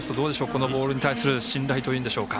このボールに対する信頼というんでしょうか。